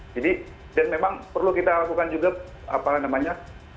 jadi dan memang perlu kita lakukan juga apa namanya